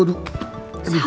aduh aduh aduh